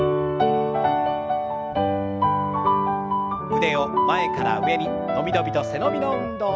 腕を前から上に伸び伸びと背伸びの運動。